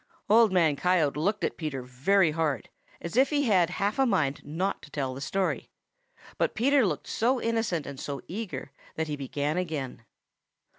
Old Man Coyote looked at Peter very hard as if he had half a mind not to tell the story, but Peter looked so innocent and so eager that he began again.